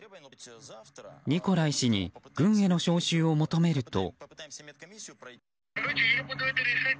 ニコライ氏に軍への招集を求めると。